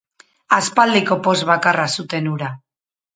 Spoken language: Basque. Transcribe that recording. Aspaldiko poz bakarra zuten hura.